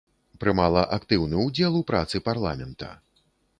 Прымала актыўны ўдзел у працы парламента.